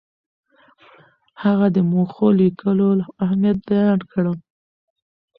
هغه د موخو لیکلو اهمیت بیان کړ.